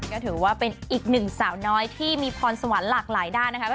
ก็ถือว่าเป็นอีกหนึ่งสาวน้อยที่มีพรสวรรค์หลากหลายด้านนะคะ